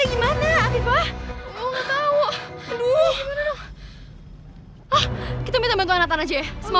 oh gimana kalau kita cari tempat hangoutnya nathan aja